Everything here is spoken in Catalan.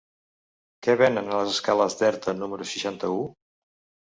Què venen a les escales d'Erta número seixanta-u?